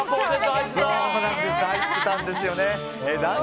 入ってたんですよね。